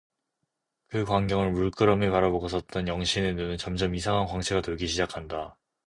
그 광경을 물끄러미 바라보고 섰던 영신의 눈은 점점 이상한 광채가 돌기 시작한다.